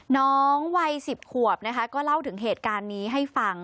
น้องวัย๑๐ขวบนะคะก็เล่าถึงเหตุการณ์นี้ให้ฟัง